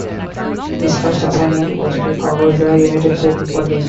His first assignment was to cover the United States Football League.